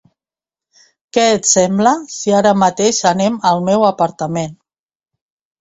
¿Què et sembla si ara mateix anem al meu apartament.